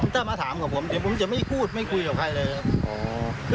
ถ้ามาถามกับผมเดี๋ยวผมจะไม่พูดไม่คุยกับใครเลยครับ